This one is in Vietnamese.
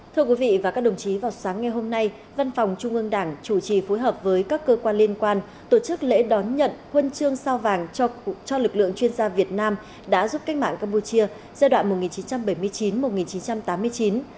thưa quý vị và các đồng chí vào sáng ngày hôm nay văn phòng trung ương đảng chủ trì phối hợp với các cơ quan liên quan tổ chức lễ đón nhận huân chương sao vàng cho lực lượng chuyên gia việt nam đã giúp cách mạng campuchia giai đoạn một nghìn chín trăm bảy mươi chín một nghìn chín trăm tám mươi chín